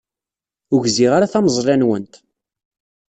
Ur gziɣ ara tameẓla-nwent.